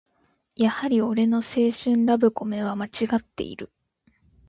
やはり俺の青春ラブコメはまちがっている